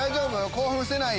興奮してない？